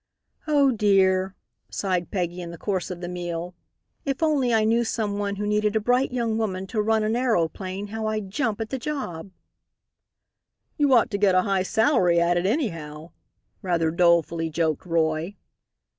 "Oh, dear," sighed Peggy, in the course of the meal, "if only I knew some one who needed a bright young woman to run an aeroplane, how I'd jump at the job." "You ought to get a high salary at it anyhow," rather dolefully joked Roy.